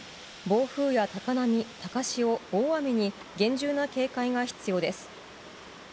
暴風や高波、高潮、大雨に厳重な警戒が必要です。